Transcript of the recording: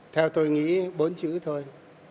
theo tôi nghĩ bốn chữ thôi